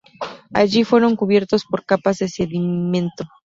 Allí fueron cubiertos por capas de sedimento.